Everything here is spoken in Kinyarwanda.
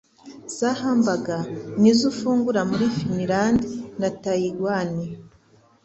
za hamburger nizo ufungura muri Finlande na Tayiwani